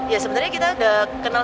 ya sebenarnya kita udah kenal